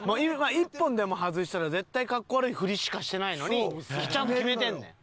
１本でも外したら絶対かっこ悪いフリしかしてないのにちゃんと決めてんねん。